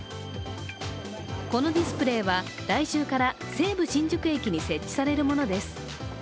このディスプレーは、来週から西武新宿駅に設置されるものです。